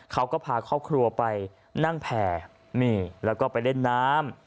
เขาก็พาครอบครัวไปนั่งแผ่นี่แล้วก็ไปเล่นน้ำ